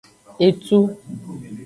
Etu.